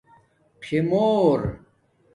خِمور